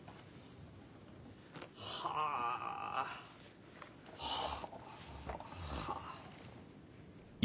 はあ。はあ。